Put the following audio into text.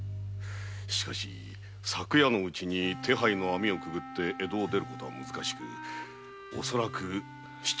しかし昨夜のうちに手配の網をくぐって江戸を出ることは難しく恐らく市中に隠れががあるはず。